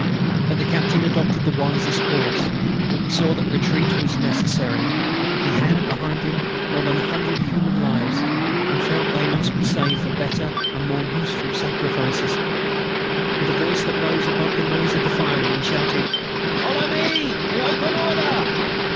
But the Captain adopted the wisest course. He saw that retreat was necessary. He had, behind him, more than a hundred human lives, and felt they must be saved for better and more useful sacrifices. With a voice that rose above the noise of the firing, he shouted: "Follow me, in open order!"